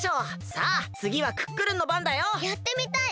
さあつぎはクックルンのばんだよ。やってみたい！